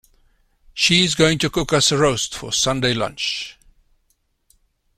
She is going to cook us a roast for Sunday lunch